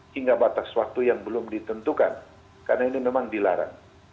hingga batas waktu yang belum ditentukan karena ini memang dilarang